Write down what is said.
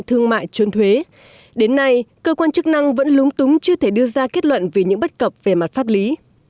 thương mại trốn thuế đến nay cơ quan chức năng vẫn lúng túng chưa thể đưa ra kết luận về những bất cập về mặt pháp lý